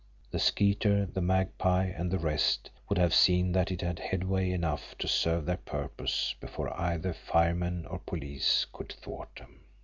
The Skeeter, the Magpie, and the rest would have seen that it had headway enough to serve their purpose before either firemen or police could thwart them.